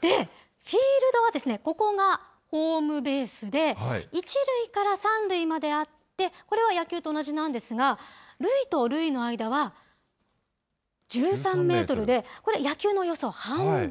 で、フィールドはここがホームベースで、１塁から３塁まであって、これは野球と同じなんですが、塁と塁の間は、１３メートルで、これ、野球のおよそ半分。